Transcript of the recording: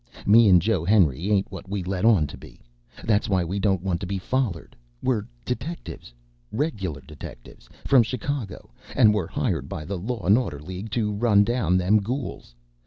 Me an' Joe Henry ain't what we let on to be. That's why we don't want to be follered. We're detectives. Reg'lar detectives. From Chicago. An' we're hired by the Law an' Order League to run down them gools.